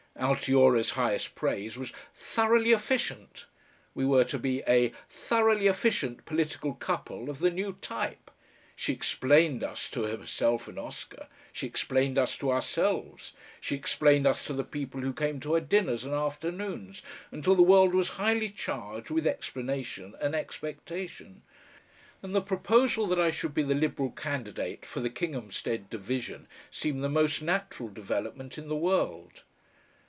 Altiora's highest praise was "thoroughly efficient." We were to be a "thoroughly efficient" political couple of the "new type." She explained us to herself and Oscar, she explained us to ourselves, she explained us to the people who came to her dinners and afternoons until the world was highly charged with explanation and expectation, and the proposal that I should be the Liberal candidate for the Kinghamstead Division seemed the most natural development in the world.